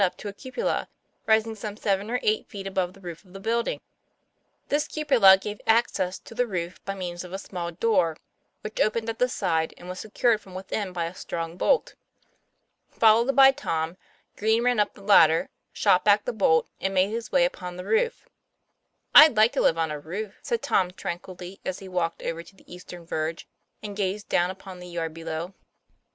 up to a cupola, rising some seven or eight feet above the roof of the building. This cupola gave access to the roof by means of a small door, which opened at the side and was secured from within by a strong bolt. Followed by Tom, Green ran up the ladder, shot back the bolt, and made his way upon the roof. " I'd like to live on a roof," said Tom tranquilly, as he walked over to the eastern verge, and gazed down upon the yard below.